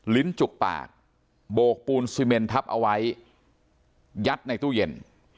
ลิ้นจุกปากโบกปูนซีเมนทับเอาไว้ยัดในตู้เย็น